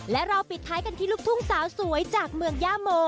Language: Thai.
และเราปิดท้ายกันที่ลูกทุ่งสาวสวยจากเมืองย่าโม